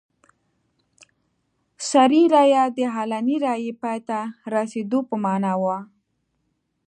سري رایه د علني رایې پای ته رسېدو په معنا وه.